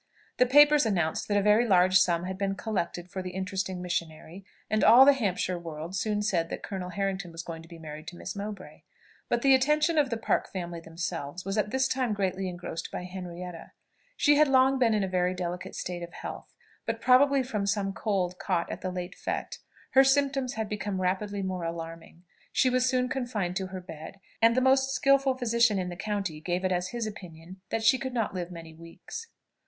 The papers announced that a very large sum had been collected for the interesting missionary; and all the Hampshire world soon said that Colonel Harrington was going to be married to Miss Mowbray. But the attention of the Park family themselves was at this time greatly engrossed by Henrietta. She had long been in a very delicate state of health, but, probably from some cold caught at the late fête, her symptoms had become rapidly more alarming; she was soon confined to her bed, and the most skilful physician in the county gave it as his opinion that she could not live many weeks.